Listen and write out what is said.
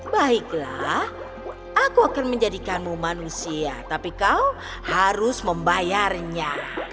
baiklah aku akan menjadikanmu manusia tapi kau harus membayarnya